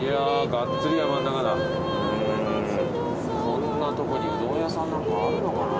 こんなとこにうどん屋さんなんかあるのかな？